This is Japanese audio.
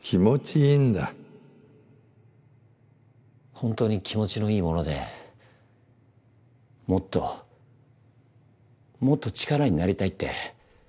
ほんとに気持ちのいいものでもっともっと力になりたいって。